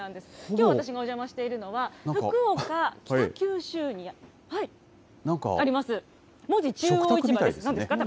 きょう私がお邪魔しているのは、福岡・北九州にあります、門司中央市場です。